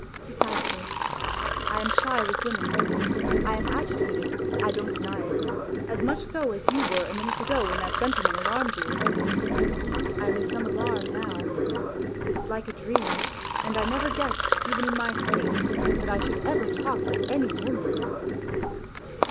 Precisely; I am shy with women, I am agitated, I don't deny it, as much so as you were a minute ago when that gentleman alarmed you. I am in some alarm now. It's like a dream, and I never guessed even in my sleep that I should ever talk with any woman."